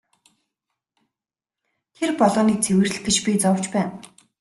Тэр болгоныг цэвэрлэх гэж би зовж байна.